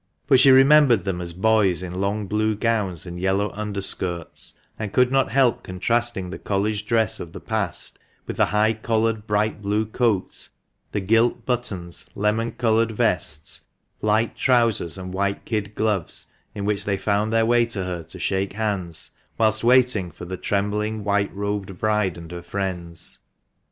But she remembered them as boys in long blue gowns and yellow under skirts, and could not help contrasting the college dress of the past with the high collared bright blue coats, the gilt buttons, lemon coloured vests, light trousers, and white kid gloves, in which they found their way to her to shake hands, whilst waiting for the trembling white robed bride and her friends.